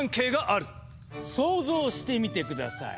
想像してみて下さい。